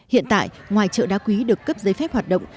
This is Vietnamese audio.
hiện tại ngoài chợ đá quý được cấp giấy phép hoạt động